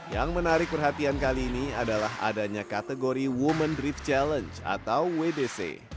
yang menarik perhatian kali ini adalah adanya kategori women drift challenge atau wdc